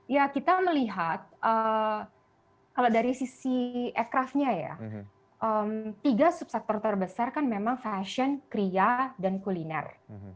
ya kita melihat kalau dari sisi aircraftnya ya tiga subsektor terbesar kan memang fashion kriya dan kuliner